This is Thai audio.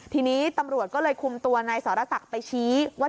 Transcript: ทีนี้ตำรวจก็เลยคุมตัวนายสรศักดิ์ไปชี้ว่า